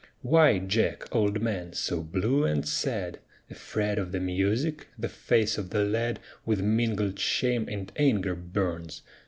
"Why, Jack, old man, so blue and sad? Afraid of the music?" The face of the lad With mingled shame and anger burns.